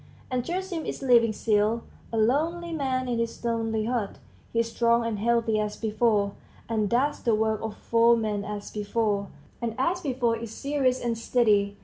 And Gerasim is living still, a lonely man in his lonely hut; he is strong and healthy as before, and does the work of four men as before, and as before is serious and steady.